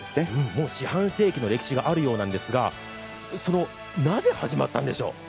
もう四半世紀の歴史あるようなんですが、なぜ始まったんでしょしか。